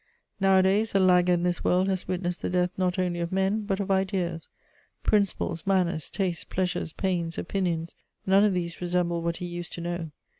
Nowadays, a lagger in this world has witnessed the death not only of men, but of ideas: principles, manners, tastes, pleasures, pains, opinions, none of these resemble what he used to know.